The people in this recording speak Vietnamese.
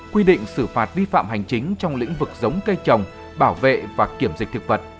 quy định xử phạt vi phạm hành chính trong lĩnh vực giống cây trồng bảo vệ và kiểm dịch thực vật